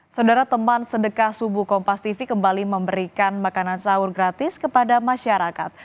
saudara teman sedekah subuh kompas tv kembali memberikan makanan sahur gratis kepada masyarakat